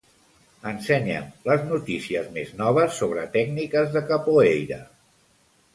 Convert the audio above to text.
Ensenya'm les notícies més noves sobre tècniques de capoeira.